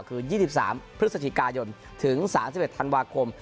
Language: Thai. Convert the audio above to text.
คือ๒๓พฤศจิกายนถึง๓๑ธันวาคม